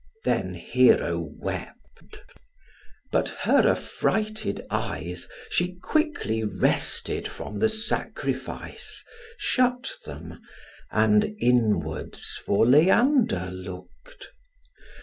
Then Hero wept; but her affrighted eyes She quickly wrested from the sacrifice, Shut them, and inwards for Leander look'd.